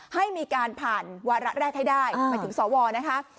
ให้มีการผ่านวาระแรกให้ได้หมายถึงสวนะคะ